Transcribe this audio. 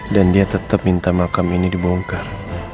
dan dia tetep minta makam ini dibongkar